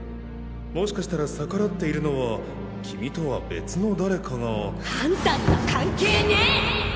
もしかしたら逆らっているのは君とは別の誰かがアンタには関係ねェ！！